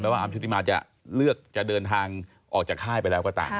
ว่าอาร์ชุติมาจะเลือกจะเดินทางออกจากค่ายไปแล้วก็ตาม